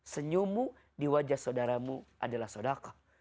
senyummu di wajah sodaramu adalah sodakoh